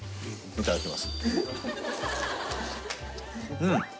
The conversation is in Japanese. いただきます